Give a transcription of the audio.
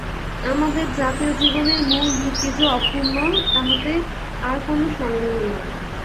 আমাদের জাতীয় জীবনের মূল ভিত্তি যে অক্ষুণ্ণ, তাহাতে আর কোন সন্দেহ নাই।